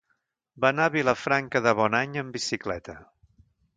Va anar a Vilafranca de Bonany amb bicicleta.